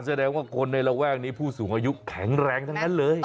แสดงว่าคนในระแวกนี้ผู้สูงอายุแข็งแรงทั้งนั้นเลย